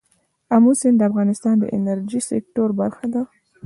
آمو سیند د افغانستان د انرژۍ سکتور برخه ده.